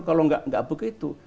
kalau nggak begitu